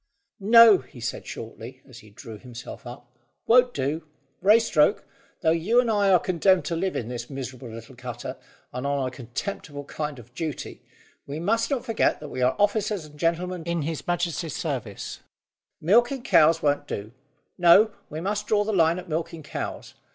"No," he said shortly, as he drew himself up; "won't do, Raystoke, though you and I are condemned to live in this miserable little cutter, and on a contemptible kind of duty, we must not forget that we are officers and gentlemen in His Majesty's service. Milking cows won't do. No; we must draw the line at milking cows.